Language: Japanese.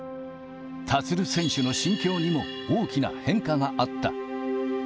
立選手の心境にも大きな変化があった。